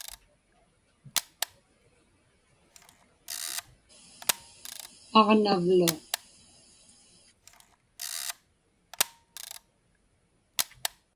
aġnavlu